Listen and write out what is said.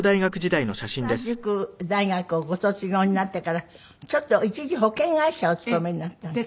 でも津田塾大学をご卒業になってからちょっと一時保険会社へお勤めになったって。